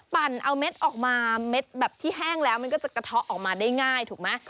ปั่นเอาเม็ดออกมาเม็ดแบบที่แห้งแล้วมันก็จะกระเทาะออกมาได้ง่ายถูกไหม